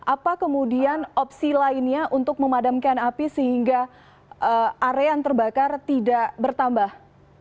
apa kemudian opsi lainnya untuk memadamkan api sehingga area yang terbakar tidak bertambah